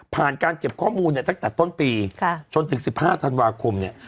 ผ่านการเก็บข้อมูลตั้งแต่ต้นปีจนถึง๑๕ธนวาคม